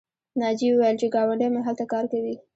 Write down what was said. ناجیې وویل چې ګاونډۍ مې هلته کار کوي